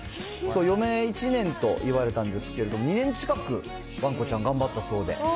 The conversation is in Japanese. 余命１年と言われたんですけれど、２年近く、わんこちゃん、頑張ったそうで。